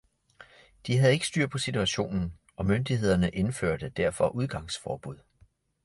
De havde ikke styr på situationen, og myndighederne indførte derfor udgangsforbud.